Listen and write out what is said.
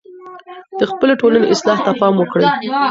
د خپلې ټولني اصلاح ته پام وکړئ.